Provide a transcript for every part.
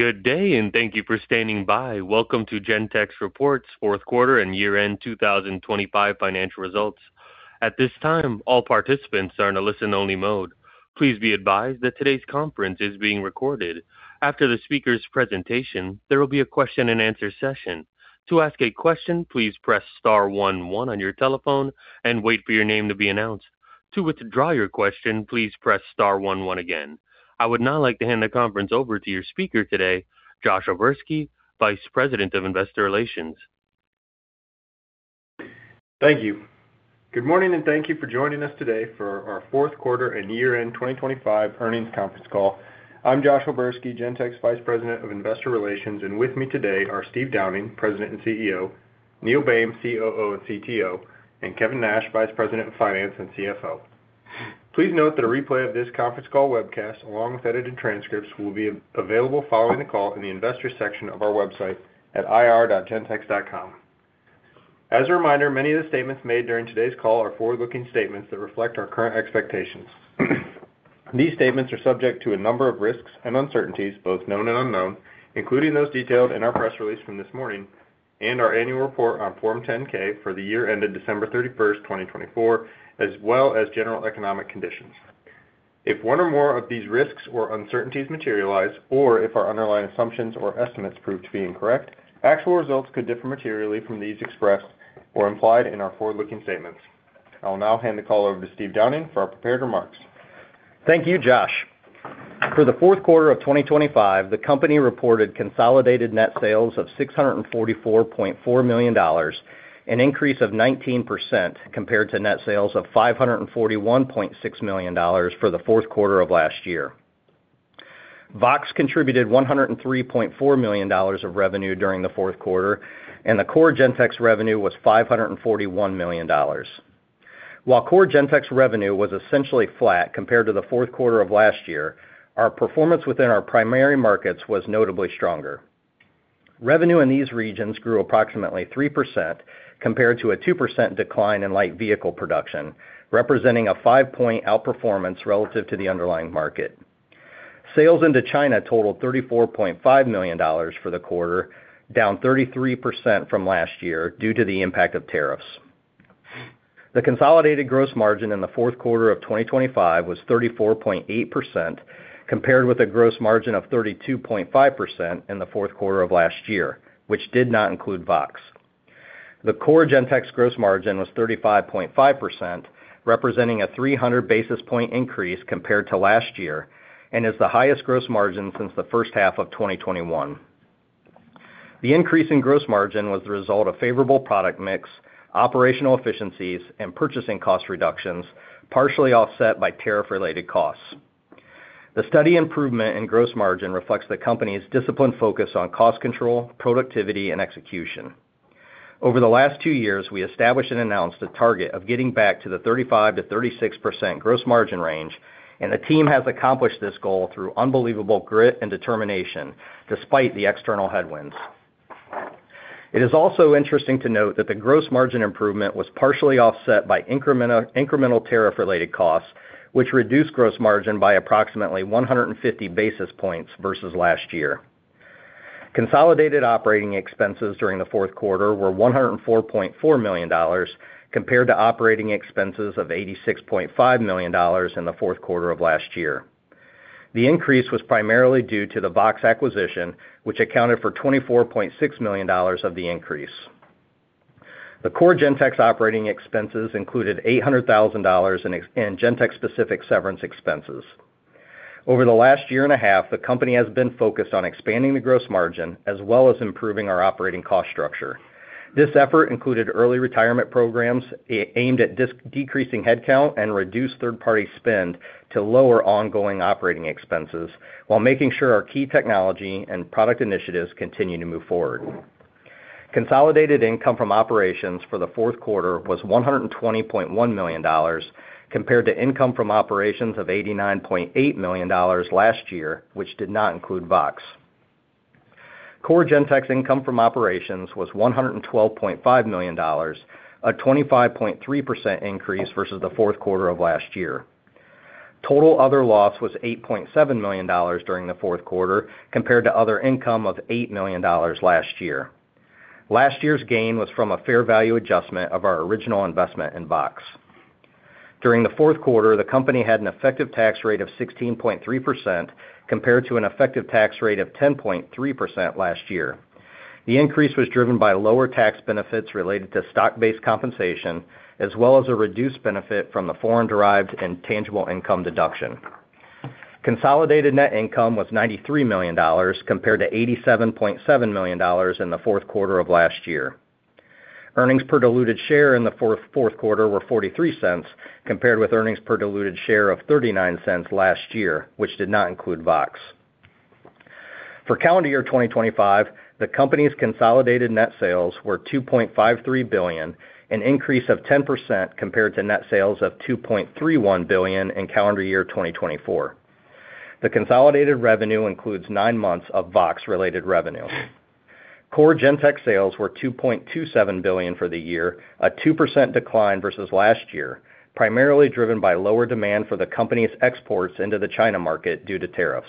Good day, and thank you for standing by. Welcome to Gentex Reports, fourth quarter and year-end 2025 financial results. At this time, all participants are in a listen-only mode. Please be advised that today's conference is being recorded. After the speaker's presentation, there will be a question-and-answer session. To ask a question, please press star one one on your telephone and wait for your name to be announced. To withdraw your question, please press star one one again. I would now like to hand the conference over to your speaker today, Josh O'Berski, Vice President of Investor Relations. Thank you. Good morning, and thank you for joining us today for our fourth quarter and year-end 2025 earnings conference call. I'm Josh O'Berski, Gentex Vice President of Investor Relations, and with me today are Steve Downing, President and CEO, Neil Boehm, COO and CTO, and Kevin Nash, Vice President of Finance and CFO. Please note that a replay of this conference call webcast, along with edited transcripts, will be available following the call in the Investors section of our website at ir.gentex.com. As a reminder, many of the statements made during today's call are forward-looking statements that reflect our current expectations. These statements are subject to a number of risks and uncertainties, both known and unknown, including those detailed in our press release from this morning and our annual report on Form 10-K for the year ended December 31, 2024, as well as general economic conditions. If one or more of these risks or uncertainties materialize, or if our underlying assumptions or estimates prove to be incorrect, actual results could differ materially from these expressed or implied in our forward-looking statements. I'll now hand the call over to Steve Downing for our prepared remarks. Thank you, Josh. For the fourth quarter of 2025, the company reported consolidated net sales of $644.4 million, an increase of 19% compared to net sales of $541.6 million for the fourth quarter of last year. VOXX contributed $103.4 million of revenue during the fourth quarter, and the core Gentex revenue was $541 million. While core Gentex revenue was essentially flat compared to the fourth quarter of last year, our performance within our primary markets was notably stronger. Revenue in these regions grew approximately 3% compared to a 2% decline in light vehicle production, representing a five-point outperformance relative to the underlying market. Sales into China totaled $34.5 million for the quarter, down 33% from last year due to the impact of tariffs. The consolidated gross margin in the fourth quarter of 2025 was 34.8%, compared with a gross margin of 32.5% in the fourth quarter of last year, which did not include VOXX. The core Gentex gross margin was 35.5%, representing a 300 basis point increase compared to last year and is the highest gross margin since the first half of 2021. The increase in gross margin was the result of favorable product mix, operational efficiencies, and purchasing cost reductions, partially offset by tariff-related costs. The steady improvement in gross margin reflects the company's disciplined focus on cost control, productivity, and execution. Over the last two years, we established and announced a target of getting back to the 35%-36% gross margin range, and the team has accomplished this goal through unbelievable grit and determination despite the external headwinds. It is also interesting to note that the gross margin improvement was partially offset by incremental tariff-related costs, which reduced gross margin by approximately 150 basis points versus last year. Consolidated operating expenses during the fourth quarter were $104.4 million, compared to operating expenses of $86.5 million in the fourth quarter of last year. The increase was primarily due to the VOXX acquisition, which accounted for $24.6 million of the increase. The core Gentex operating expenses included $800,000 in Gentex specific severance expenses. Over the last year and a half, the company has been focused on expanding the gross margin as well as improving our operating cost structure. This effort included early retirement programs aimed at decreasing headcount and reduced third-party spend to lower ongoing operating expenses while making sure our key technology and product initiatives continue to move forward. Consolidated income from operations for the fourth quarter was $120.1 million, compared to income from operations of $89.8 million last year, which did not include VOXX. Core Gentex income from operations was $112.5 million, a 25.3% increase versus the fourth quarter of last year. Total other loss was $8.7 million during the fourth quarter, compared to other income of $8 million last year. Last year's gain was from a fair value adjustment of our original investment in VOXX. During the fourth quarter, the company had an effective tax rate of 16.3%, compared to an effective tax rate of 10.3% last year. The increase was driven by lower tax benefits related to stock-based compensation, as well as a reduced benefit from the foreign-derived intangible income deduction. Consolidated net income was $93 million, compared to $87.7 million in the fourth quarter of last year. Earnings per diluted share in the fourth quarter were $0.43, compared with earnings per diluted share of $0.39 last year, which did not include VOXX. For calendar year 2025, the company's consolidated net sales were $2.53 billion, an increase of 10% compared to net sales of $2.31 billion in calendar year 2024. The consolidated revenue includes 9 months of VOXX-related revenue.... Core Gentex sales were $2.27 billion for the year, a 2% decline versus last year, primarily driven by lower demand for the company's exports into the China market due to tariffs.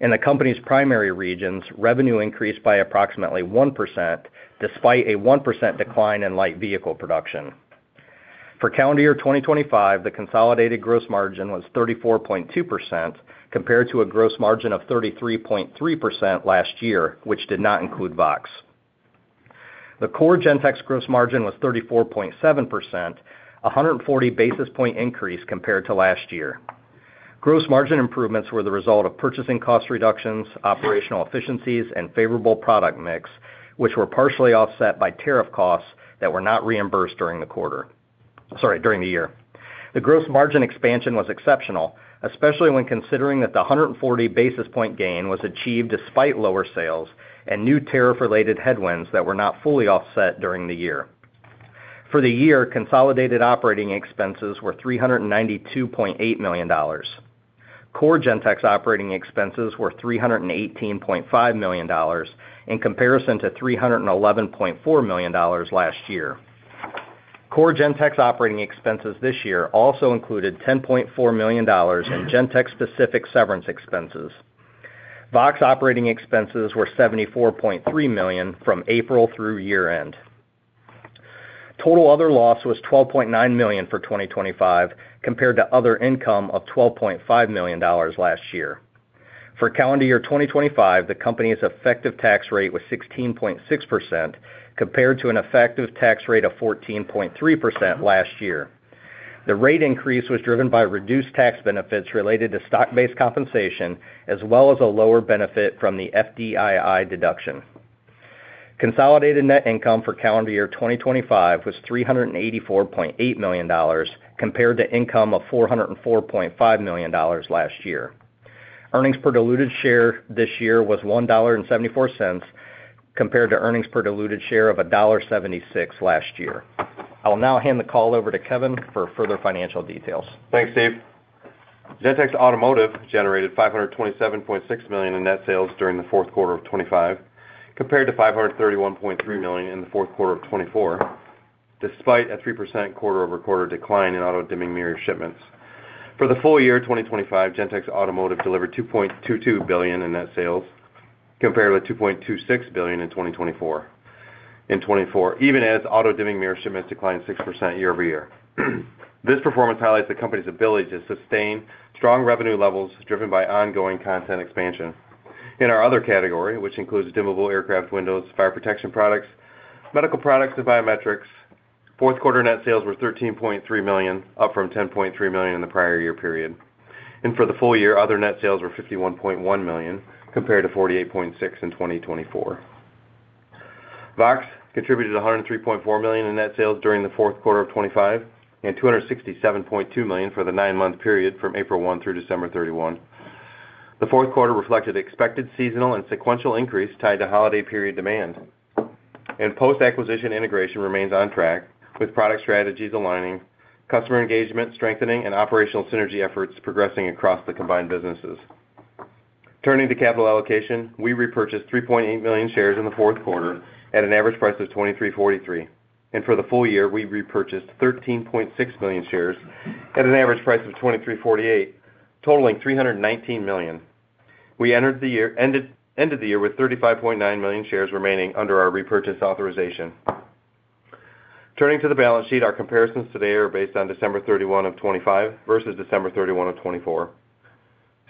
In the company's primary regions, revenue increased by approximately 1%, despite a 1% decline in light vehicle production. For calendar year 2025, the consolidated gross margin was 34.2% compared to a gross margin of 33.3% last year, which did not include VOXX. The core Gentex gross margin was 34.7%, a 140 basis point increase compared to last year. Gross margin improvements were the result of purchasing cost reductions, operational efficiencies, and favorable product mix, which were partially offset by tariff costs that were not reimbursed during the quarter - sorry, during the year. The gross margin expansion was exceptional, especially when considering that the 140 basis point gain was achieved despite lower sales and new tariff-related headwinds that were not fully offset during the year. For the year, consolidated operating expenses were $392.8 million. Core Gentex operating expenses were $318.5 million, in comparison to $311.4 million last year. Core Gentex operating expenses this year also included $10.4 million in Gentex specific severance expenses. VOXX operating expenses were $74.3 million from April through year-end. Total other loss was $12.9 million for 2025, compared to other income of $12.5 million last year. For calendar year 2025, the company's effective tax rate was 16.6%, compared to an effective tax rate of 14.3% last year. The rate increase was driven by reduced tax benefits related to stock-based compensation, as well as a lower benefit from the FDII deduction. Consolidated net income for calendar year 2025 was $384.8 million, compared to income of $404.5 million last year. Earnings per diluted share this year was $1.74, compared to earnings per diluted share of $1.76 last year. I will now hand the call over to Kevin for further financial details. Thanks, Steve. Gentex Automotive generated $527.6 million in net sales during the fourth quarter of 2025, compared to $531.3 million in the fourth quarter of 2024, despite a 3% quarter-over-quarter decline in auto dimming mirror shipments. For the full year of 2025, Gentex Automotive delivered $2.22 billion in net sales, compared with $2.26 billion in 2024, even as auto dimming mirror shipments declined 6% year-over-year. This performance highlights the company's ability to sustain strong revenue levels, driven by ongoing content expansion. In our other category, which includes dimmable aircraft windows, fire protection products, medical products, and biometrics, fourth quarter net sales were $13.3 million, up from $10.3 million in the prior year period. For the full year, other net sales were $51.1 million, compared to $48.6 million in 2024. VOXX contributed $103.4 million in net sales during the fourth quarter of 2025, and $267.2 million for the nine-month period from April 1 through December 31. The fourth quarter reflected expected seasonal and sequential increase tied to holiday period demand, and post-acquisition integration remains on track, with product strategies aligning, customer engagement strengthening, and operational synergy efforts progressing across the combined businesses. Turning to capital allocation, we repurchased 3.8 million shares in the fourth quarter at an average price of $23.43, and for the full year, we repurchased 13.6 million shares at an average price of $23.48, totaling $319 million. We entered the year ended the year with 35.9 million shares remaining under our repurchase authorization. Turning to the balance sheet, our comparisons today are based on December 31 of 2025 versus December 31 of 2024.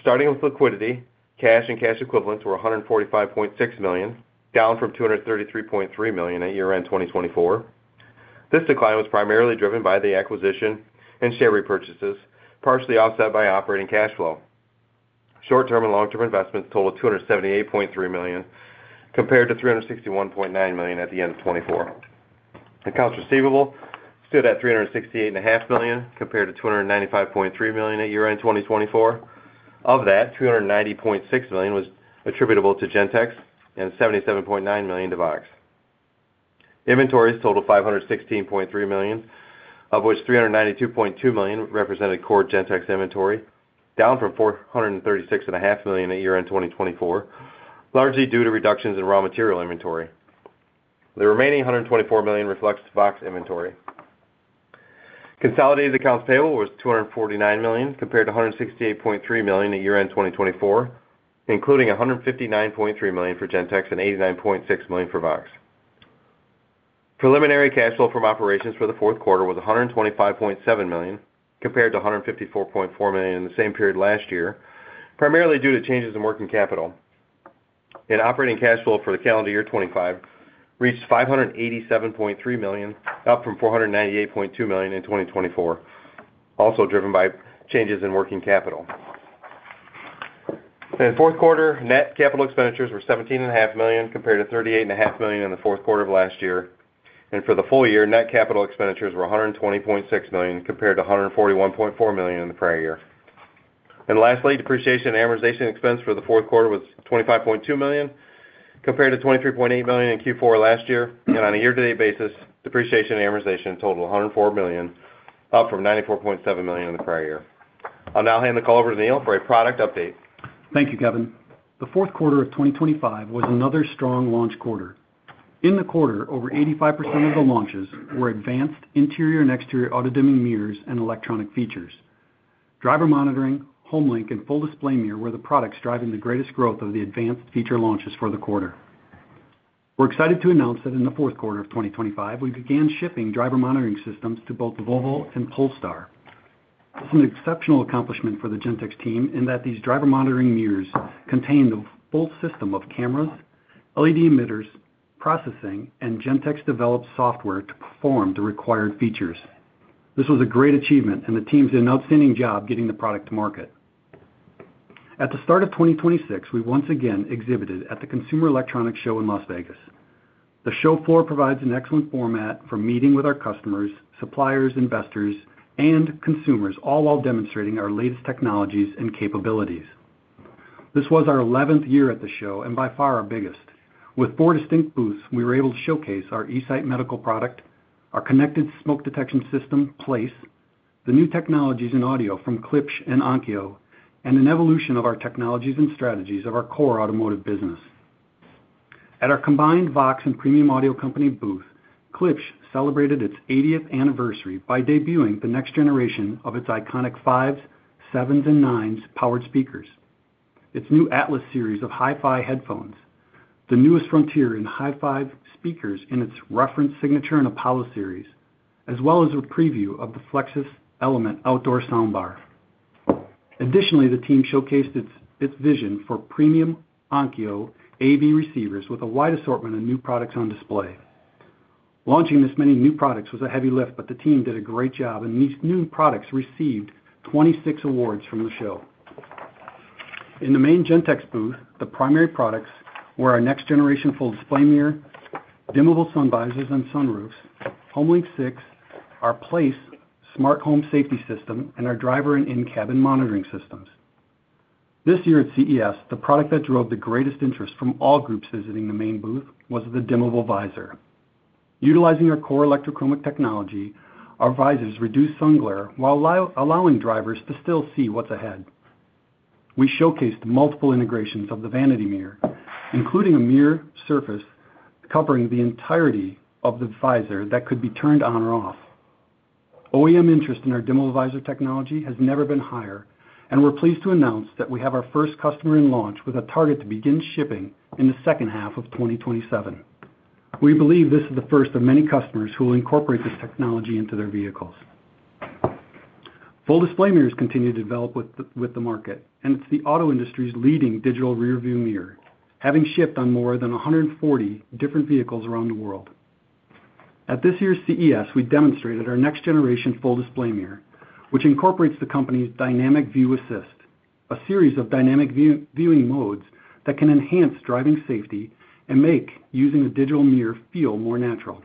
Starting with liquidity, cash and cash equivalents were $145.6 million, down from $233.3 million at year-end 2024. This decline was primarily driven by the acquisition and share repurchases, partially offset by operating cash flow. Short-term and long-term investments totaled $278.3 million, compared to $361.9 million at the end of 2024. Accounts receivable stood at $368.5 million, compared to $295.3 million at year-end 2024. Of that, $290.6 million was attributable to Gentex and $77.9 million to VOXX. Inventories totaled $516.3 million, of which $392.2 million represented core Gentex inventory, down from $436.5 million at year-end 2024, largely due to reductions in raw material inventory. The remaining $124 million reflects VOXX inventory. Consolidated accounts payable was $249 million, compared to $168.3 million at year-end 2024, including $159.3 million for Gentex and $89.6 million for VOXX. Preliminary cash flow from operations for the fourth quarter was $125.7 million, compared to $154.4 million in the same period last year, primarily due to changes in working capital. Operating cash flow for the calendar year 2025 reached $587.3 million, up from $498.2 million in 2024, also driven by changes in working capital. In the fourth quarter, net capital expenditures were $17.5 million, compared to $38.5 million in the fourth quarter of last year, and for the full year, net capital expenditures were $120.6 million, compared to $141.4 million in the prior year. And lastly, depreciation and amortization expense for the fourth quarter was $25.2 million, compared to $23.8 million in Q4 last year. And on a year-to-date basis, depreciation and amortization totaled $104 million, up from $94.7 million in the prior year.... I'll now hand the call over to Neil for a product update. Thank you, Kevin. The fourth quarter of 2025 was another strong launch quarter. In the quarter, over 85% of the launches were advanced interior and exterior auto-dimming mirrors and electronic features. Driver monitoring, HomeLink, and Full Display Mirror were the products driving the greatest growth of the advanced feature launches for the quarter. We're excited to announce that in the fourth quarter of 2025, we began shipping driver monitoring systems to both Volvo and Polestar. This is an exceptional accomplishment for the Gentex team in that these driver monitoring mirrors contain the full system of cameras, LED emitters, processing, and Gentex-developed software to perform the required features. This was a great achievement, and the team did an outstanding job getting the product to market. At the start of 2026, we once again exhibited at the Consumer Electronics Show in Las Vegas. The show floor provides an excellent format for meeting with our customers, suppliers, investors, and consumers, all while demonstrating our latest technologies and capabilities. This was our eleventh year at the show, and by far our biggest. With four distinct booths, we were able to showcase our eSight medical product, our connected smoke detection system, PLACE, the new technologies in audio from Klipsch and Onkyo, and an evolution of our technologies and strategies of our core automotive business. At our combined VOXX and Premium Audio Company booth, Klipsch celebrated its eightieth anniversary by debuting the next generation of its iconic Fives, Sevens, and Nines powered speakers, its new Atlas series of hi-fi headphones, the newest frontier in hi-fi speakers in its Reference, Signature, and Apollo series, as well as a preview of the Flexus Element outdoor soundbar. Additionally, the team showcased its vision for premium Onkyo AV receivers with a wide assortment of new products on display. Launching this many new products was a heavy lift, but the team did a great job, and these new products received 26 awards from the show. In the main Gentex booth, the primary products were our next-generation Full Display Mirror, dimmable sun visors and sunroofs, HomeLink 6, our PLACE smart home safety system, and our driver and in-cabin monitoring systems. This year at CES, the product that drove the greatest interest from all groups visiting the main booth was the dimmable visor. Utilizing our core electrochromic technology, our visors reduce sun glare while allowing drivers to still see what's ahead. We showcased multiple integrations of the vanity mirror, including a mirror surface covering the entirety of the visor that could be turned on or off. OEM interest in our dimmable visor technology has never been higher, and we're pleased to announce that we have our first customer in launch with a target to begin shipping in the second half of 2027. We believe this is the first of many customers who will incorporate this technology into their vehicles. Full Display Mirrors continue to develop with the market, and it's the auto industry's leading digital rearview mirror, having shipped on more than 140 different vehicles around the world. At this year's CES, we demonstrated our next-generation Full Display Mirror, which incorporates the company's Dynamic View Assist, a series of dynamic viewing modes that can enhance driving safety and make using the digital mirror feel more natural.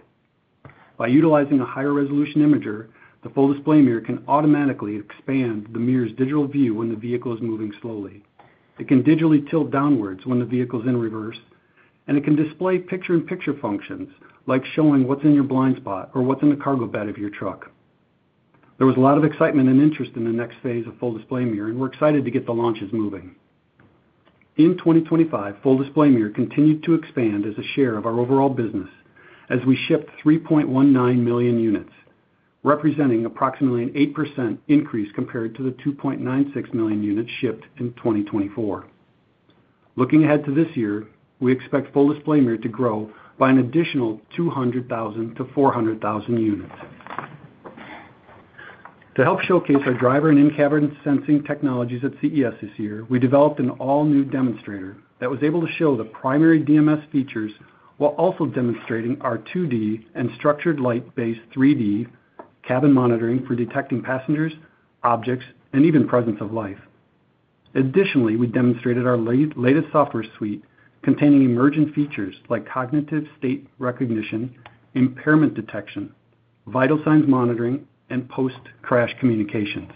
By utilizing a higher resolution imager, the Full Display Mirror can automatically expand the mirror's digital view when the vehicle is moving slowly. It can digitally tilt downwards when the vehicle's in reverse, and it can display picture-in-picture functions, like showing what's in your blind spot or what's in the cargo bed of your truck. There was a lot of excitement and interest in the next phase of Full Display Mirror, and we're excited to get the launches moving. In 2025, Full Display Mirror continued to expand as a share of our overall business as we shipped 3.19 million units, representing approximately an 8% increase compared to the 2.96 million units shipped in 2024. Looking ahead to this year, we expect Full Display Mirror to grow by an additional 200,000-400,000 units. To help showcase our driver and in-cabin sensing technologies at CES this year, we developed an all-new demonstrator that was able to show the primary DMS features while also demonstrating our 2D and structured light-based 3D cabin monitoring for detecting passengers, objects, and even presence of life. Additionally, we demonstrated our latest software suite, containing emergent features like cognitive state recognition, impairment detection, vital signs monitoring, and post-crash communications.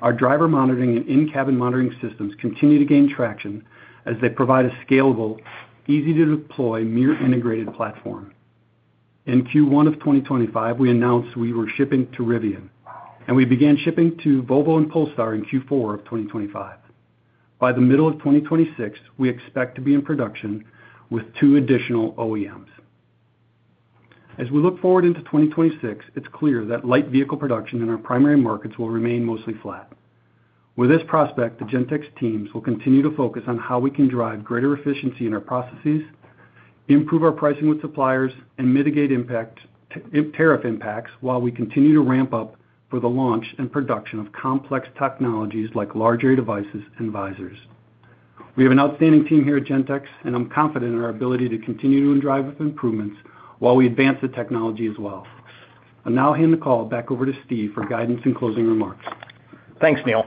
Our driver monitoring and in-cabin monitoring systems continue to gain traction as they provide a scalable, easy-to-deploy, mirror-integrated platform. In Q1 of 2025, we announced we were shipping to Rivian, and we began shipping to Volvo and Polestar in Q4 of 2025. By the middle of 2026, we expect to be in production with two additional OEMs. As we look forward into 2026, it's clear that light vehicle production in our primary markets will remain mostly flat. With this prospect, the Gentex teams will continue to focus on how we can drive greater efficiency in our processes, improve our pricing with suppliers, and mitigate tariff impacts, while we continue to ramp up for the launch and production of complex technologies like large area devices and visors. We have an outstanding team here at Gentex, and I'm confident in our ability to continue to drive improvements while we advance the technology as well. I'll now hand the call back over to Steve for guidance and closing remarks. Thanks, Neil.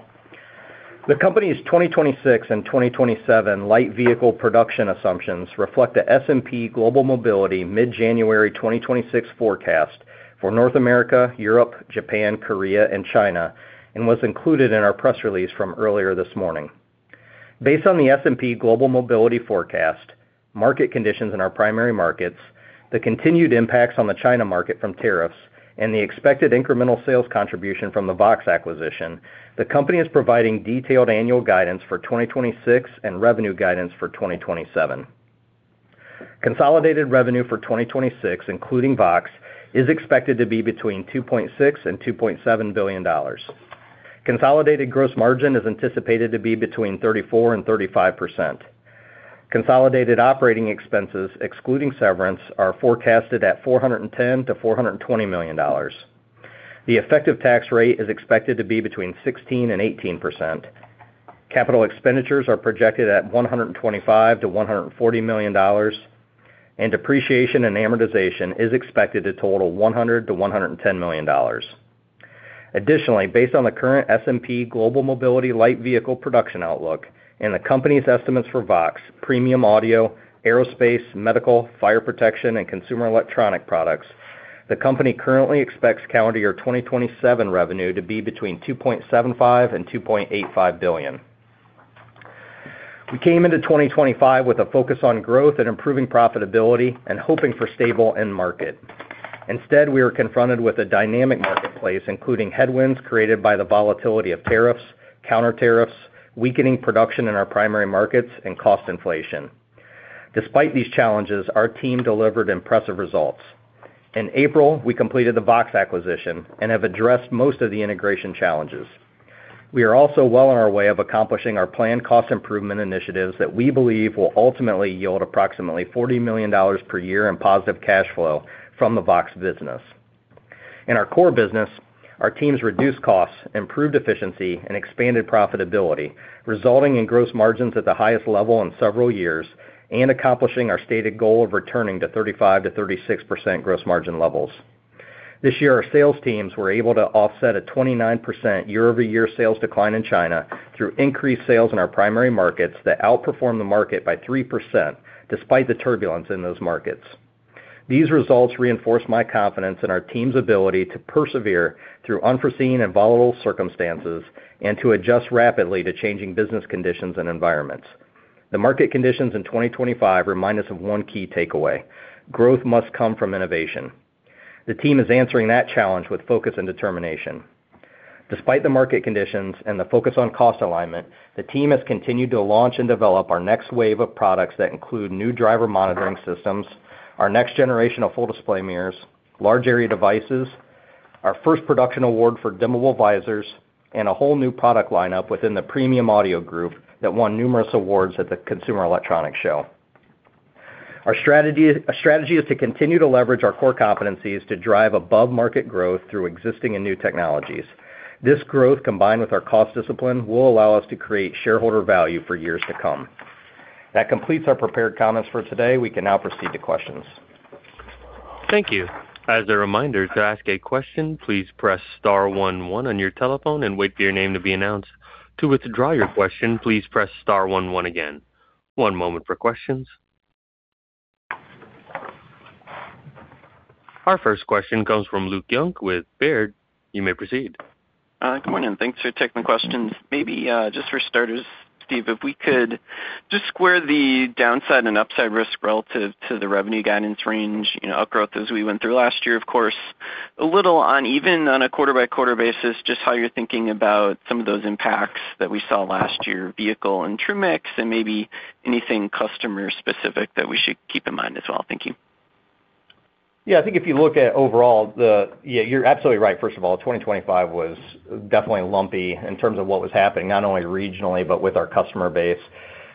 The company's 2026 and 2027 light vehicle production assumptions reflect the S&P Global Mobility mid-January 2026 forecast for North America, Europe, Japan, Korea, and China, and was included in our press release from earlier this morning. Based on the S&P Global Mobility forecast, market conditions in our primary markets, the continued impacts on the China market from tariffs, and the expected incremental sales contribution from the VOXX acquisition, the company is providing detailed annual guidance for 2026 and revenue guidance for 2027. Consolidated revenue for 2026, including VOXX, is expected to be between $2.6 billion and $2.7 billion. Consolidated gross margin is anticipated to be between 34% and 35%. Consolidated operating expenses, excluding severance, are forecasted at $410 million-$420 million. The effective tax rate is expected to be between 16% and 18%. Capital expenditures are projected at $125-$140 million, and depreciation and amortization is expected to total $100-$110 million. Additionally, based on the current S&P Global Mobility light vehicle production outlook and the company's estimates for VOXX, premium audio, aerospace, medical, fire protection, and consumer electronic products, the company currently expects calendar year 2027 revenue to be between $2.75 billion and $2.85 billion. We came into 2025 with a focus on growth and improving profitability and hoping for stable end market. Instead, we were confronted with a dynamic marketplace, including headwinds created by the volatility of tariffs, counter-tariffs, weakening production in our primary markets, and cost inflation. Despite these challenges, our team delivered impressive results. In April, we completed the VOXX acquisition and have addressed most of the integration challenges. We are also well on our way of accomplishing our planned cost improvement initiatives that we believe will ultimately yield approximately $40 million per year in positive cash flow from the VOXX business. In our core business, our teams reduced costs, improved efficiency, and expanded profitability, resulting in gross margins at the highest level in several years and accomplishing our stated goal of returning to 35%-36% gross margin levels. This year, our sales teams were able to offset a 29% year-over-year sales decline in China through increased sales in our primary markets that outperformed the market by 3%, despite the turbulence in those markets. These results reinforce my confidence in our team's ability to persevere through unforeseen and volatile circumstances and to adjust rapidly to changing business conditions and environments. The market conditions in 2025 remind us of one key takeaway: growth must come from innovation. The team is answering that challenge with focus and determination. Despite the market conditions and the focus on cost alignment, the team has continued to launch and develop our next wave of products that include new driver monitoring systems, our next generation of Full Display Mirrors, large area devices, our first production award for dimmable visors, and a whole new product lineup within the premium audio group that won numerous awards at the Consumer Electronics Show. Our strategy, our strategy is to continue to leverage our core competencies to drive above-market growth through existing and new technologies. This growth, combined with our cost discipline, will allow us to create shareholder value for years to come. That completes our prepared comments for today. We can now proceed to questions. Thank you. As a reminder, to ask a question, please press star one one on your telephone and wait for your name to be announced. To withdraw your question, please press star one one again. One moment for questions. Our first question comes from Luke Junk with Baird. You may proceed. Good morning. Thanks for taking the questions. Maybe, just for starters, Steve, if we could just square the downside and upside risk relative to the revenue guidance range, you know, up growth as we went through last year, of course, a little uneven on a quarter-by-quarter basis, just how you're thinking about some of those impacts that we saw last year, vehicle and true mix, and maybe anything customer specific that we should keep in mind as well. Thank you. Yeah, I think if you look at overall, Yeah, you're absolutely right. First of all, 2025 was definitely lumpy in terms of what was happening, not only regionally, but with our customer base.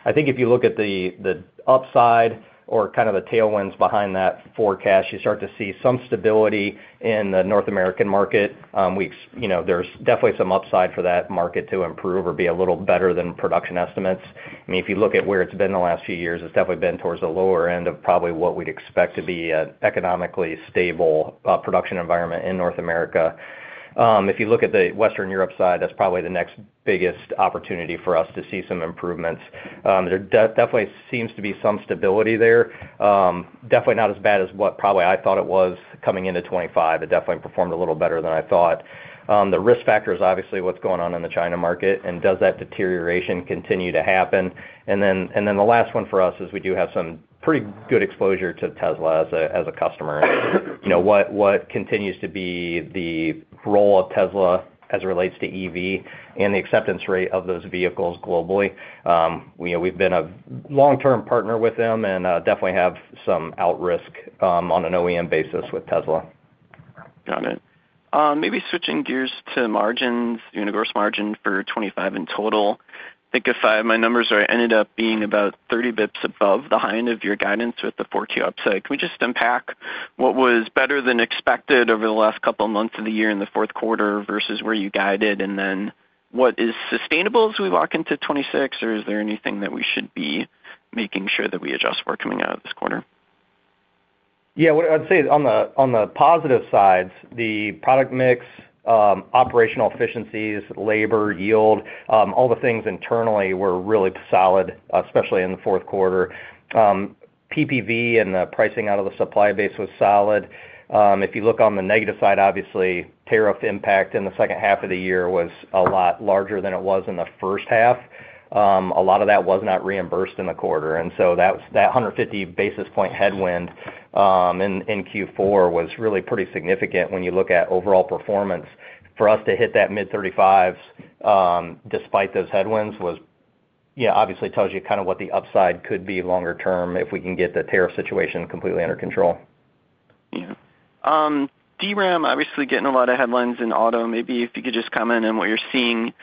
I think if you look at the, the upside or kind of the tailwinds behind that forecast, you start to see some stability in the North American market. We ex- you know, there's definitely some upside for that market to improve or be a little better than production estimates. I mean, if you look at where it's been in the last few years, it's definitely been towards the lower end of probably what we'd expect to be an economically stable production environment in North America. If you look at the Western Europe side, that's probably the next biggest opportunity for us to see some improvements. There definitely seems to be some stability there. Definitely not as bad as what probably I thought it was coming into 2025. It definitely performed a little better than I thought. The risk factor is obviously what's going on in the China market, and does that deterioration continue to happen? And then, and then the last one for us is we do have some pretty good exposure to Tesla as a, as a customer. You know, what, what continues to be the role of Tesla as it relates to EV and the acceptance rate of those vehicles globally? You know, we've been a long-term partner with them and, definitely have some upside risk, on an OEM basis with Tesla. Got it. Maybe switching gears to margins, unit gross margin for 25 in total. I think if I, my numbers ended up being about 30 basis points above the high end of your guidance with the 4.2 upside. Can we just unpack what was better than expected over the last couple of months of the year in the fourth quarter versus where you guided? And then what is sustainable as we walk into 26, or is there anything that we should be making sure that we adjust for coming out of this quarter? Yeah, what I'd say is on the positive side, the product mix, operational efficiencies, labor, yield, all the things internally were really solid, especially in the fourth quarter. PPV and the pricing out of the supply base was solid. If you look on the negative side, obviously, tariff impact in the second half of the year was a lot larger than it was in the first half. A lot of that was not reimbursed in the quarter, and so that 150 basis point headwind in Q4 was really pretty significant when you look at overall performance. For us to hit that mid-35s, despite those headwinds was, yeah, obviously tells you kind of what the upside could be longer term if we can get the tariff situation completely under control. Yeah. DRAM, obviously getting a lot of headlines in auto. Maybe if you could just comment on what you're seeing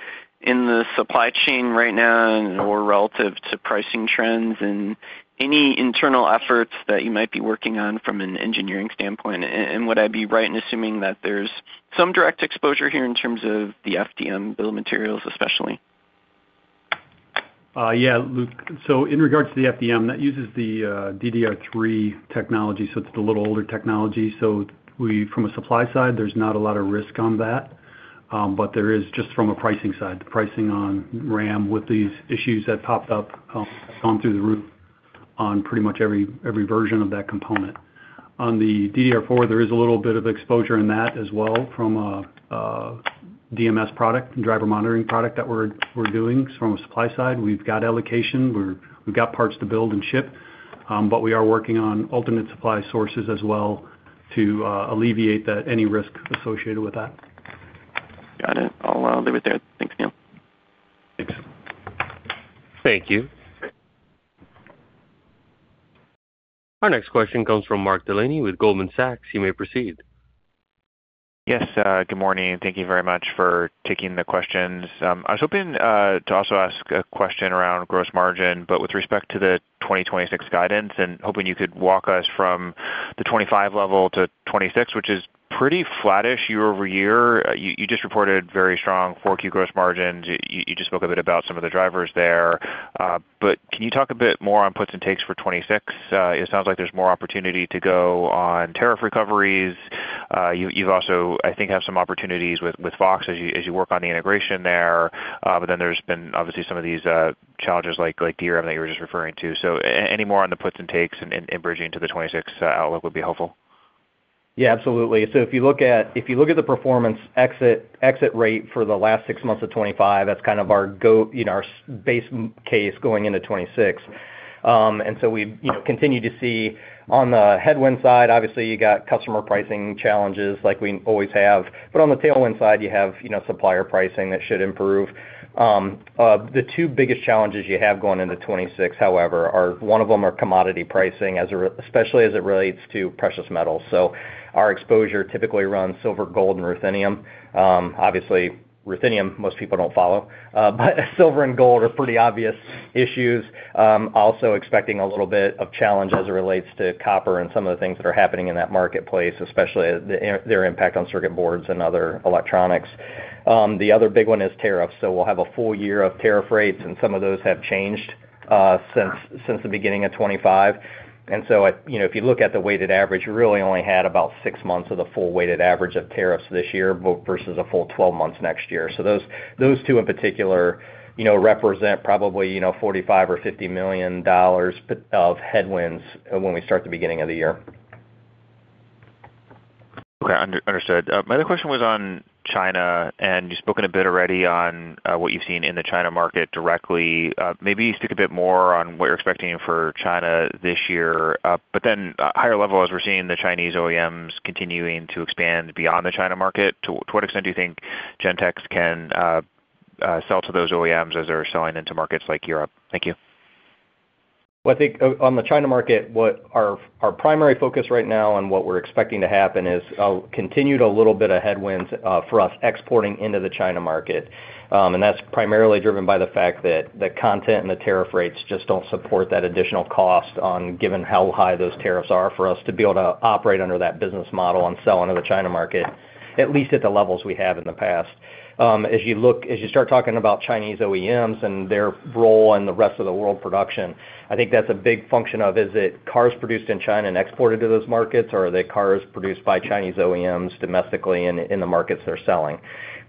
in the supply chain right now or relative to pricing trends and any internal efforts that you might be working on from an engineering standpoint. And would I be right in assuming that there's some direct exposure here in terms of the FDM build materials, especially? Yeah, Luke. So in regards to the FDM, that uses the DDR3 technology, so it's a little older technology. So we, from a supply side, there's not a lot of risk on that, but there is just from a pricing side. The pricing on RAM with these issues that popped up, gone through the roof on pretty much every version of that component. On the DDR4, there is a little bit of exposure in that as well from a DMS product, driver monitoring product that we're doing. So from a supply side, we've got allocation, we've got parts to build and ship, but we are working on ultimate supply sources as well to alleviate any risk associated with that. Got it. I'll leave it there. Thanks, Neil. Thanks. Thank you. Our next question comes from Mark Delaney with Goldman Sachs. You may proceed. Yes, good morning, and thank you very much for taking the questions. I was hoping to also ask a question around gross margin, but with respect to the 2026 guidance, and hoping you could walk us from the 2025 level to 2026, which is pretty flattish year-over-year. You just reported very strong 4Q gross margins. You just spoke a bit about some of the drivers there. But can you talk a bit more on puts and takes for 2026? It sounds like there's more opportunity to go on tariff recoveries. You’ve also, I think, have some opportunities with VOXX as you work on the integration there. But then there's been, obviously, some of these challenges like DRAM that you were just referring to. So, any more on the puts and takes and bridging to the 2026 outlook would be helpful. Yeah, absolutely. So if you look at, if you look at the performance exit rate for the last six months of 2025, that's kind of our go, you know, our base case going into 2026. And so we, you know, continue to see on the headwind side, obviously, you got customer pricing challenges like we always have. But on the tailwind side, you have, you know, supplier pricing that should improve. The two biggest challenges you have going into 2026, however, are one of them are commodity pricing, as it especially relates to precious metals. So our exposure typically runs silver, gold, and ruthenium. Obviously, ruthenium, most people don't follow, but silver and gold are pretty obvious issues. Also expecting a little bit of challenge as it relates to copper and some of the things that are happening in that marketplace, especially their impact on circuit boards and other electronics. The other big one is tariffs. So we'll have a full year of tariff rates, and some of those have changed since the beginning of 2025. And so, you know, if you look at the weighted average, you really only had about 6 months of the full weighted average of tariffs this year, but versus a full 12 months next year. So those two, in particular, you know, represent probably $45 million or $50 million of headwinds when we start the beginning of the year. Okay, understood. My other question was on China, and you've spoken a bit already on what you've seen in the China market directly. Maybe speak a bit more on what you're expecting for China this year, but then, higher level, as we're seeing the Chinese OEMs continuing to expand beyond the China market. To what extent do you think Gentex can sell to those OEMs as they're selling into markets like Europe? Thank you. Well, I think on the China market, what our primary focus right now on what we're expecting to happen is, continued a little bit of headwinds, for us exporting into the China market. And that's primarily driven by the fact that the content and the tariff rates just don't support that additional cost on, given how high those tariffs are, for us to be able to operate under that business model and sell into the China market, at least at the levels we have in the past. As you start talking about Chinese OEMs and their role in the rest of the world production, I think that's a big function of: Is it cars produced in China and exported to those markets, or are they cars produced by Chinese OEMs domestically in the markets they're selling?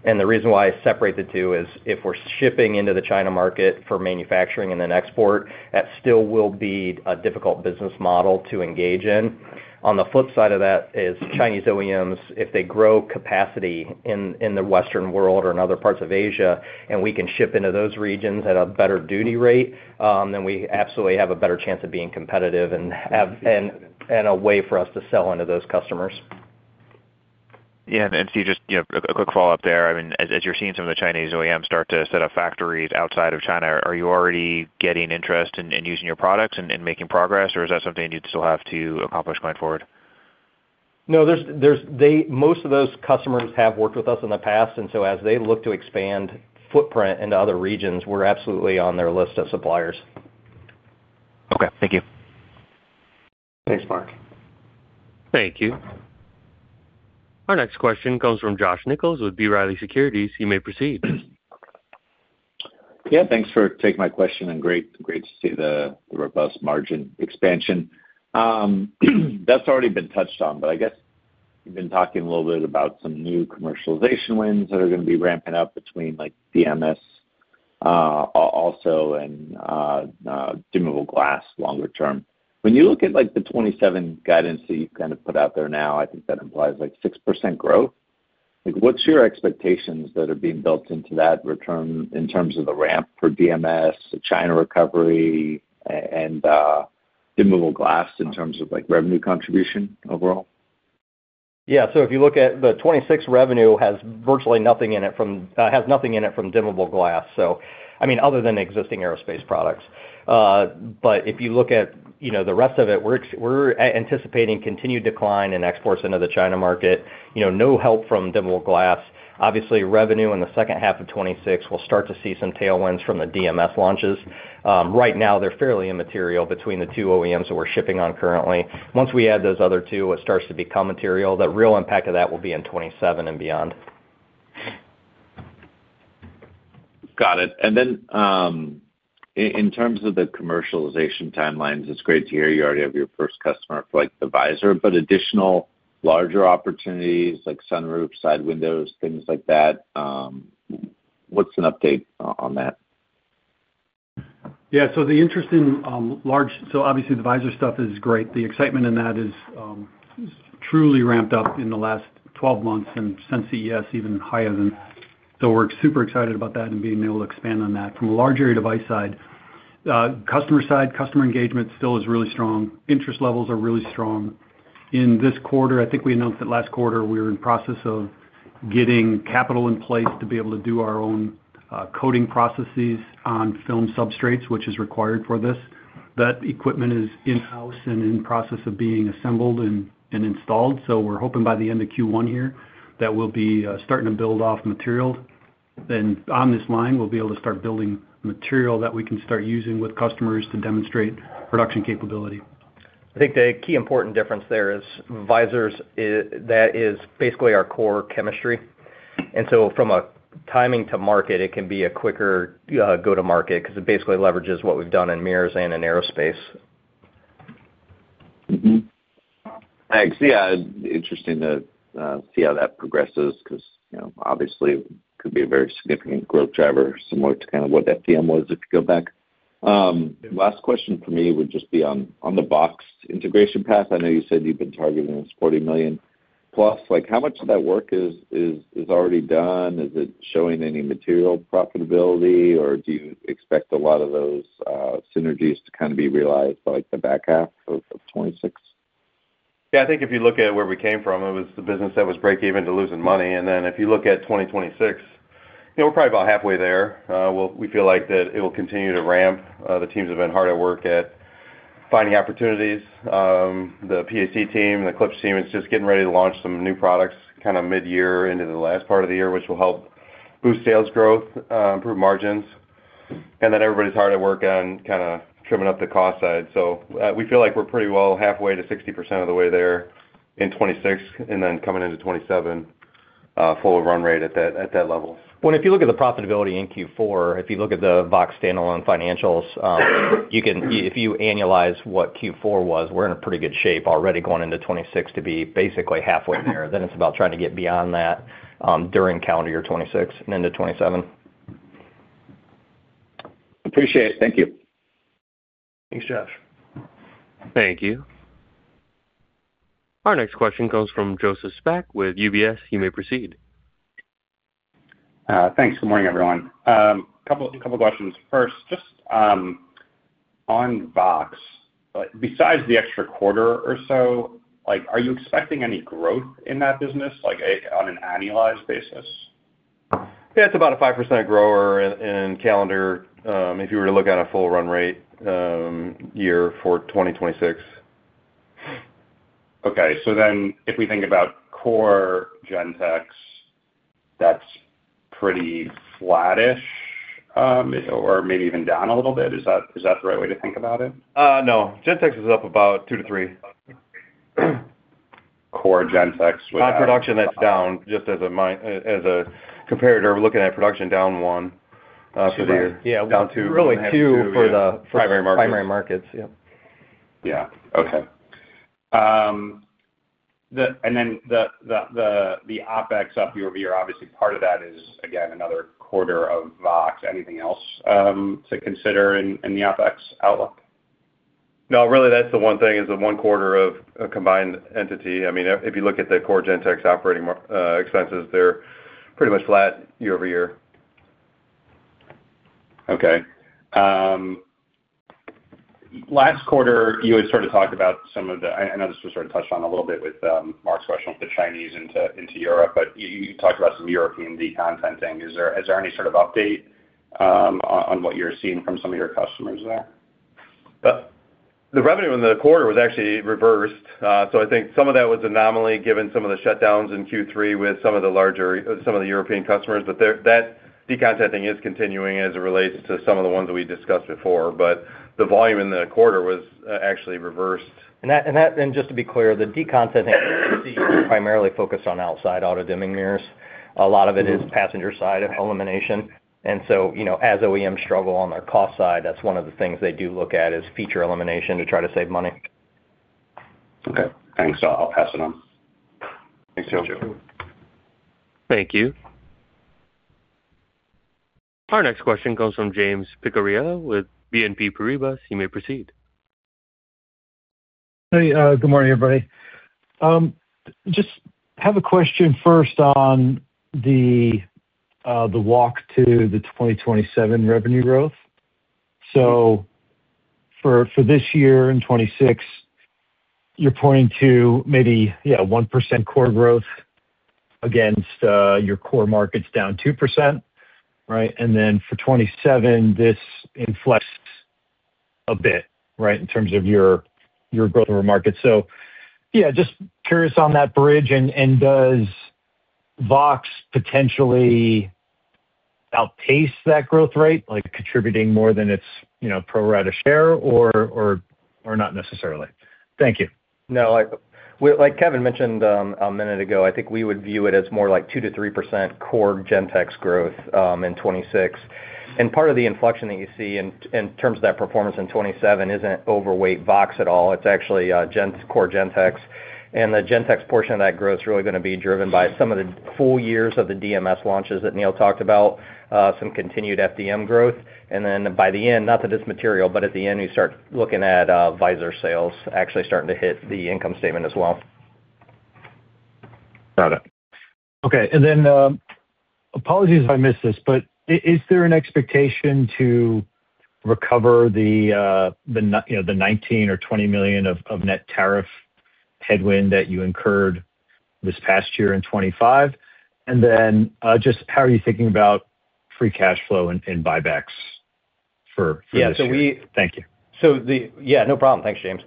The reason why I separate the two is, if we're shipping into the China market for manufacturing and then export, that still will be a difficult business model to engage in. On the flip side of that is Chinese OEMs, if they grow capacity in the Western world or in other parts of Asia, and we can ship into those regions at a better duty rate, then we absolutely have a better chance of being competitive and have a way for us to sell into those customers. Yeah, and so just, you know, a quick follow-up there. I mean, as you're seeing some of the Chinese OEMs start to set up factories outside of China, are you already getting interest in using your products and making progress, or is that something you'd still have to accomplish going forward? No, most of those customers have worked with us in the past, and so as they look to expand footprint into other regions, we're absolutely on their list of suppliers. Okay, thank you. Thanks, Mark. Thank you. Our next question comes from Josh Nichols with B. Riley Securities. You may proceed. Yeah, thanks for taking my question, and great, great to see the robust margin expansion. That's already been touched on, but I guess you've been talking a little bit about some new commercialization wins that are gonna be ramping up between, like, DMS... also in dimmable glass longer term. When you look at, like, the 2027 guidance that you've kind of put out there now, I think that implies like 6% growth. Like, what's your expectations that are being built into that return in terms of the ramp for DMS, the China recovery, and dimmable glass in terms of, like, revenue contribution overall? Yeah. So if you look at the 2026 revenue has virtually nothing in it from-- has nothing in it from dimmable glass, so I mean, other than existing aerospace products. But if you look at, you know, the rest of it, we're anticipating continued decline in exports into the China market, you know, no help from dimmable glass. Obviously, revenue in the second half of 2026 will start to see some tailwinds from the DMS launches. Right now, they're fairly immaterial between the two OEMs that we're shipping on currently. Once we add those other two, it starts to become material. The real impact of that will be in 2027 and beyond. Got it. And then, in terms of the commercialization timelines, it's great to hear you already have your first customer for, like, the visor, but additional larger opportunities like sunroof, side windows, things like that, what's an update on that? Yeah, so the interest in. So obviously, the visor stuff is great. The excitement in that is truly ramped up in the last 12 months, and since CES, even higher than that. So we're super excited about that and being able to expand on that. From a large area device side, customer side, customer engagement still is really strong. Interest levels are really strong. In this quarter, I think we announced that last quarter, we were in process of getting capital in place to be able to do our own coding processes on film substrates, which is required for this. That equipment is in-house and in process of being assembled and installed. So we're hoping by the end of Q1 here, that we'll be starting to build off material. On this line, we'll be able to start building material that we can start using with customers to demonstrate production capability. I think the key important difference there is visors, that is basically our core chemistry. And so from a timing to market, it can be a quicker, go-to-market because it basically leverages what we've done in mirrors and in aerospace. Mm-hmm. Thanks. Yeah, interesting to see how that progresses because, you know, obviously, could be a very significant growth driver, similar to kind of what FDM was, if you go back. Last question for me would just be on the VOXX integration path. I know you said you've been targeting this $40 million+. Like, how much of that work is already done? Is it showing any material profitability, or do you expect a lot of those synergies to kind of be realized by, like, the back half of 2026? Yeah, I think if you look at where we came from, it was the business that was breaking even to losing money. And then if you look at 2026, you know, we're probably about halfway there. We'll—we feel like that it will continue to ramp. The teams have been hard at work at finding opportunities. The `team, the Klipsch team, is just getting ready to launch some new products, kind of mid-year into the last part of the year, which will help boost sales growth, improve margins. And then everybody's hard at work on kind of trimming up the cost side. We feel like we're pretty well halfway to 60% of the way there in 2026, and then coming into 2027, full run rate at that, at that level. Well, if you look at the profitability in Q4, if you look at the Vox standalone financials, if you annualize what Q4 was, we're in a pretty good shape already going into 2026 to be basically halfway there. Then it's about trying to get beyond that, during calendar year 2026 and into 2027. Appreciate it. Thank you. Thanks, Josh. Thank you. Our next question comes from Joseph Spak with UBS. You may proceed. Thanks. Good morning, everyone. Couple of questions. First, just on VOXX, like, besides the extra quarter or so, like, are you expecting any growth in that business, like, on an annualized basis? Yeah, it's about a 5% grower in calendar, if you were to look at a full run rate, year for 2026. Okay. So then if we think about core Gentex, that's pretty flattish, or maybe even down a little bit. Is that, is that the right way to think about it? No. Gentex is up about 2-3. Core Gentex would- Our production, that's down just as a comparator. We're looking at production down 1 for the year. Yeah, down 2. Really, 2 for the- Primary markets... primary markets. Yeah. Yeah. Okay. And then the OpEx up year-over-year, obviously, part of that is, again, another quarter of VOXX. Anything else to consider in the OpEx outlook? No, really, that's the one thing is the one quarter of a combined entity. I mean, if you look at the core Gentex operating expenses, they're pretty much flat year-over-year. Okay. Last quarter, you had sort of talked about some of the... I know this was sort of touched on a little bit with Mark's question with the Chinese into Europe, but you talked about some European decontenting. Is there any sort of update on what you're seeing from some of your customers there? The revenue in the quarter was actually reversed. So I think some of that was anomaly, given some of the shutdowns in Q3 with some of the larger, some of the European customers, but that decontenting is continuing as it relates to some of the ones that we discussed before. But the volume in the quarter was actually reversed. Just to be clear, the decontenting is primarily focused on outside auto dimming mirrors. A lot of it is passenger side elimination. And so, you know, as OEMs struggle on their cost side, that's one of the things they do look at is feature elimination to try to save money.... Okay, thanks. I'll pass it on. Thanks, Joe. Thank you. Our next question comes from James Picariello with BNP Paribas. You may proceed. Hey, good morning, everybody. Just have a question first on the, the walk to the 2027 revenue growth. So for, for this year in 2026, you're pointing to maybe, yeah, 1% core growth against, your core markets down 2%, right? And then for 2027, this inflects a bit, right, in terms of your, your growth markets. So, yeah, just curious on that bridge, and, and does Vox potentially outpace that growth rate, like, contributing more than its, you know, pro rata share, or, or, or not necessarily? Thank you. No, like Kevin mentioned, a minute ago, I think we would view it as more like 2%-3% core Gentex growth, in 2026. And part of the inflection that you see in, in terms of that performance in 2027 isn't overweight Vox at all. It's actually, core Gentex. And the Gentex portion of that growth is really gonna be driven by some of the full years of the DMS launches that Neil talked about, some continued FDM growth, and then by the end, not that it's material, but at the end, you start looking at, visor sales actually starting to hit the income statement as well. Got it. Okay, and then, apologies if I missed this, but is there an expectation to recover the, you know, the $19 million-$20 million of, of net tariff headwind that you incurred this past year in 2025? And then, just how are you thinking about free cash flow and, and buybacks for this year? Yeah, so we- Thank you. Yeah, no problem. Thanks, James.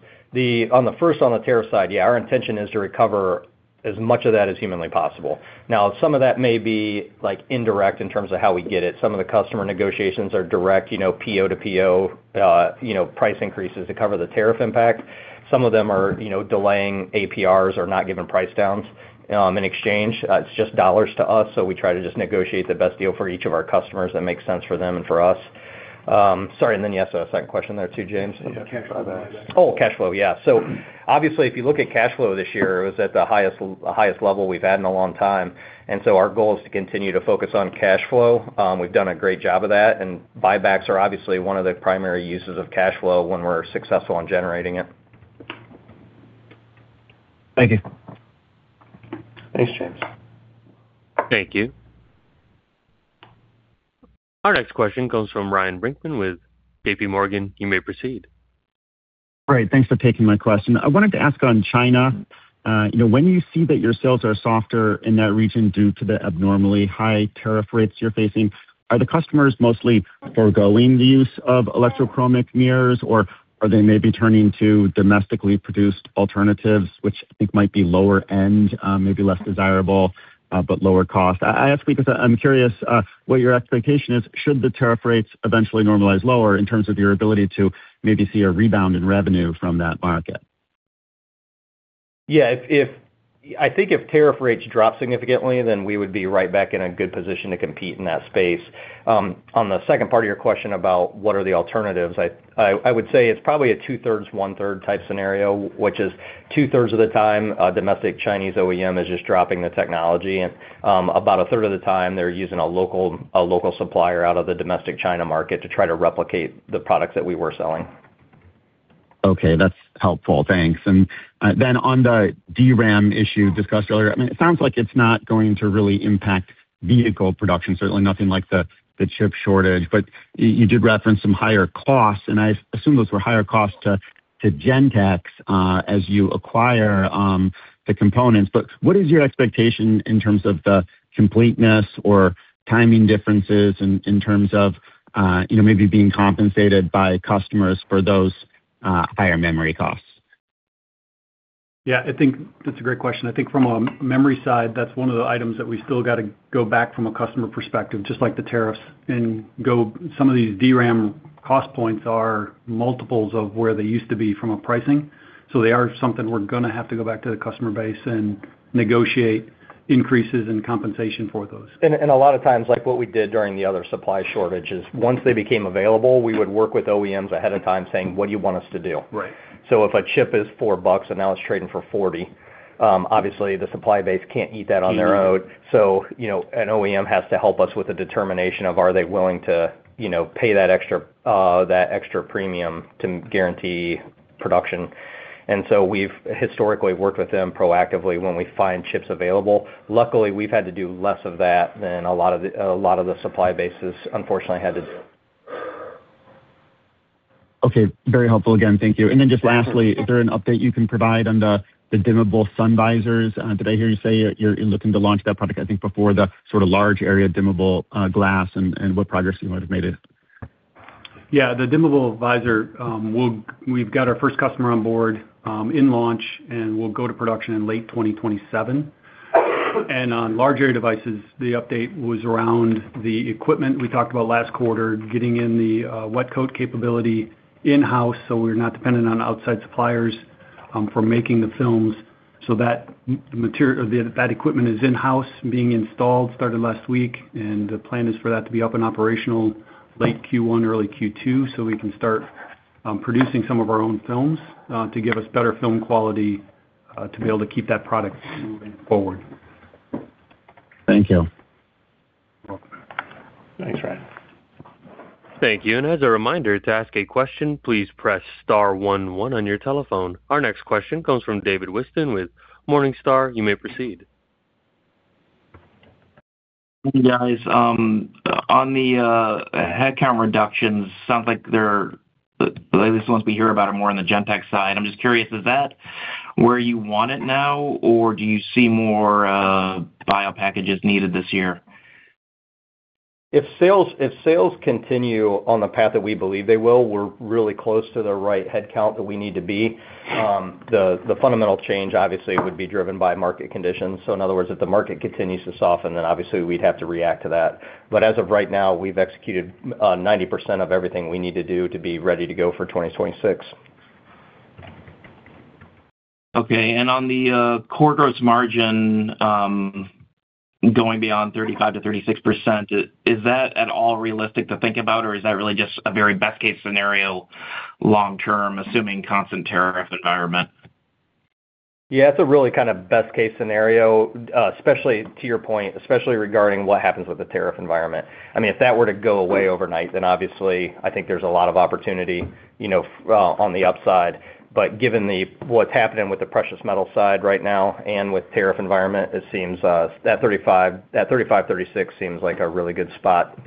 On the first, on the tariff side, yeah, our intention is to recover as much of that as humanly possible. Now, some of that may be, like, indirect in terms of how we get it. Some of the customer negotiations are direct, you know, PO to PO, price increases to cover the tariff impact. Some of them are, you know, delaying APRs or not giving price downs in exchange. It's just dollars to us, so we try to just negotiate the best deal for each of our customers that makes sense for them and for us. Sorry, and then, yes, a second question there, too, James. Cash flow. Oh, cash flow, yeah. So obviously, if you look at cash flow this year, it was at the highest, highest level we've had in a long time, and so our goal is to continue to focus on cash flow. We've done a great job of that, and buybacks are obviously one of the primary uses of cash flow when we're successful in generating it. Thank you. Thanks, James. Thank you. Our next question comes from Ryan Brinkman with JPMorgan. You may proceed. Great, thanks for taking my question. I wanted to ask on China, you know, when you see that your sales are softer in that region due to the abnormally high tariff rates you're facing, are the customers mostly foregoing the use of electrochromic mirrors, or are they maybe turning to domestically produced alternatives, which I think might be lower end, maybe less desirable, but lower cost? I ask because I'm curious, what your expectation is, should the tariff rates eventually normalize lower in terms of your ability to maybe see a rebound in revenue from that market? Yeah, if I think if tariff rates drop significantly, then we would be right back in a good position to compete in that space. On the second part of your question about what are the alternatives, I would say it's probably a 2/3, 1/3 type scenario, which is two-thirds of the time, a domestic Chinese OEM is just dropping the technology. About a third of the time, they're using a local supplier out of the domestic China market to try to replicate the products that we were selling. Okay, that's helpful. Thanks. And then on the DRAM issue discussed earlier, I mean, it sounds like it's not going to really impact vehicle production, certainly nothing like the chip shortage. But you did reference some higher costs, and I assume those were higher costs to Gentex as you acquire the components. But what is your expectation in terms of the completeness or timing differences in terms of you know maybe being compensated by customers for those higher memory costs? Yeah, I think that's a great question. I think from a memory side, that's one of the items that we still got to go back from a customer perspective, just like the tariffs. Some of these DRAM cost points are multiples of where they used to be from a pricing. So they are something we're gonna have to go back to the customer base and negotiate increases in compensation for those. A lot of times, like what we did during the other supply shortages, once they became available, we would work with OEMs ahead of time, saying: "What do you want us to do? Right. So if a chip is $4 and now it's trading for $40, obviously, the supply base can't eat that on their own. Mm-hmm. So, you know, an OEM has to help us with the determination of, are they willing to, you know, pay that extra, that extra premium to guarantee production? And so we've historically worked with them proactively when we find chips available. Luckily, we've had to do less of that than a lot of the, a lot of the supply bases unfortunately had to do. Okay, very helpful. Again, thank you. And then just lastly, is there an update you can provide on the dimmable sun visors? Did I hear you say you're looking to launch that product, I think, before the sort of large area dimmable glass, and what progress you might have made it? Yeah, the dimmable visor, we've got our first customer on board in launch, and we'll go to production in late 2027. On large area devices, the update was around the equipment we talked about last quarter, getting in the wet coat capability in-house, so we're not dependent on outside suppliers for making the films. So that equipment is in-house being installed, started last week, and the plan is for that to be up and operational late Q1, early Q2, so we can start producing some of our own films to give us better film quality to be able to keep that product moving forward. Thank you. You're welcome. Thanks, Ryan. Thank you. As a reminder, to ask a question, please press star one one on your telephone. Our next question comes from David Whiston with Morningstar. You may proceed. Hey, guys. On the headcount reductions, sounds like they're, at least the ones we hear about, are more on the Gentex side. I'm just curious, is that where you want it now, or do you see more buyout packages needed this year? If sales, if sales continue on the path that we believe they will, we're really close to the right headcount that we need to be. The fundamental change, obviously, would be driven by market conditions. So in other words, if the market continues to soften, then obviously we'd have to react to that. But as of right now, we've executed 90% of everything we need to do to be ready to go for 2026. Okay. On the core gross margin, going beyond 35%-36%, is that at all realistic to think about, or is that really just a very best case scenario long term, assuming constant tariff environment? Yeah, it's a really kind of best case scenario, especially to your point, especially regarding what happens with the tariff environment. I mean, if that were to go away overnight, then obviously I think there's a lot of opportunity, you know, on the upside. But given the, what's happening with the precious metal side right now and with tariff environment, it seems that 35, that 35, 36 seems like a really good spot.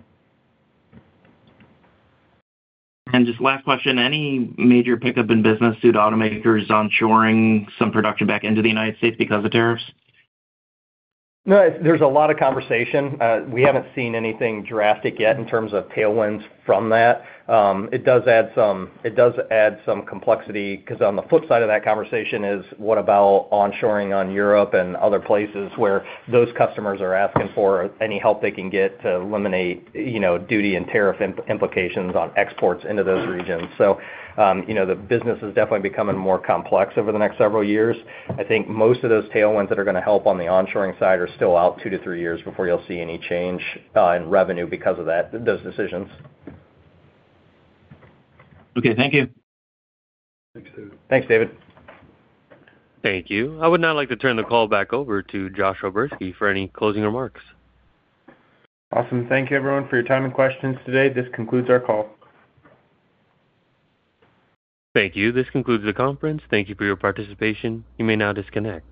Just last question, any major pickup in business due to automakers onshoring some production back into the United States because of tariffs? No, there's a lot of conversation. We haven't seen anything drastic yet in terms of tailwinds from that. It does add some, it does add some complexity, 'cause on the flip side of that conversation is, what about onshoring in Europe and other places where those customers are asking for any help they can get to eliminate, you know, duty and tariff implications on exports into those regions? So, you know, the business is definitely becoming more complex over the next several years. I think most of those tailwinds that are going to help on the onshoring side are still out 2-3 years before you'll see any change in revenue because of that, those decisions. Okay, thank you. Thanks, David. Thanks, David. Thank you. I would now like to turn the call back over to Josh O'Berski for any closing remarks. Awesome. Thank you, everyone, for your time and questions today. This concludes our call. Thank you. This concludes the conference. Thank you for your participation. You may now disconnect.